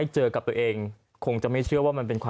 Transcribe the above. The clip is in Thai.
ตุนตุนตุนตุนตุน